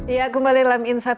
ya kembali dalam insight